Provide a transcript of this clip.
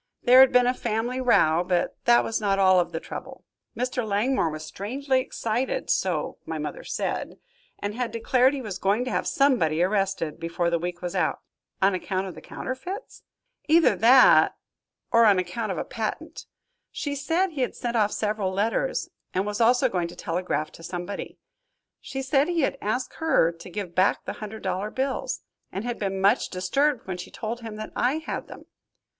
There had been a family row, but that was not all of the trouble. Mr. Langmore was strangely excited, so my mother said, and had declared he was going to have somebody arrested, before the week was out." "On account of the counterfeits?" "Either that, or on account of a patent. She said he had sent off several letters and was also going to telegraph to somebody. She said he had asked her to give back the hundred dollar bills, and had been much disturbed when she told him that I had them.